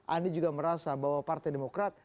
andi juga merasa bahwa partai demokrat